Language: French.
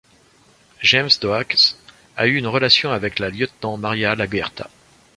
James Doakes a eu une relation avec la Lieutenant Maria LaGuerta.